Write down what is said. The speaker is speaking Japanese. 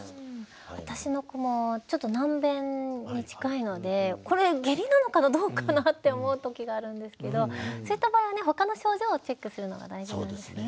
私の子もちょっと軟便に近いのでこれ下痢なのかなどうかなって思う時があるんですけどそういった場合は他の症状をチェックするのが大事なんですね。